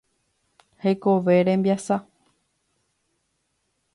Hekove rembiasa.